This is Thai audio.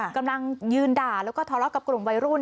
กำลังยืนด่าแล้วก็ทะเลาะกับกลุ่มวัยรุ่น